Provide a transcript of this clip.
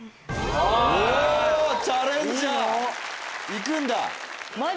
いくんだ。